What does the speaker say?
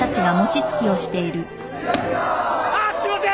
あっすいません